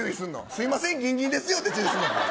すいません、ギンギンですよって注意するの。